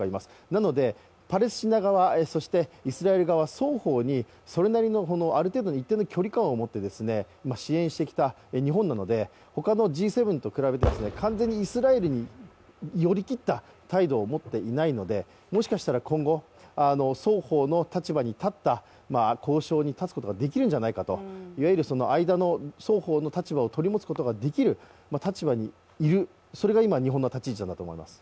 なので、パレスチナ側、イスラエル側双方にそれなりのある程度の一定の距離感を置いて支援してきた日本なので、他のＧ７と比べて完全にイスラエルに寄り切った態度を持っていないので、もしかしたら今後、双方の立場に立った交渉にたつことができるんじゃないかと、いわゆる間の双方を取り持つことができる立場にいる、それが今日本の立ち位置なんだと思います。